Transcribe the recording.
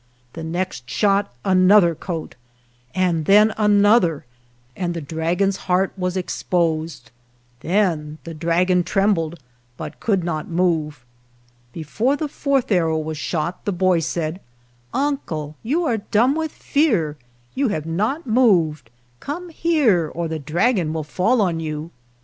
The next shot another coat, ana then another, and the dragon's heart was 9 GERONIMO exposed. Then the dragon trembled, but could not move. Before the fourth arrow was shot the boy said, "Uncle, you are dumb with fear; you have not moved; come here or the dragon will fall on you."